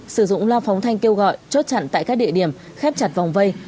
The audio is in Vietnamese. sử dụng loa phóng thanh kêu gọi chốt chặn tại các địa điểm khép chặt vòng vây